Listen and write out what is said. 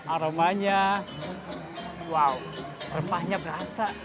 aromanya wow rempahnya berasa